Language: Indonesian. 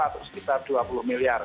atau sekitar dua puluh miliar